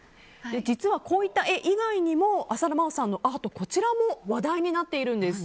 実はこういった絵以外にも浅田真央さんのアートこちらも話題になっているんです。